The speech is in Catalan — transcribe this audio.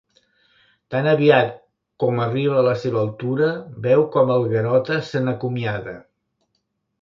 Tan aviat com arriba a la seva altura veu com el Garota se n'acomiada.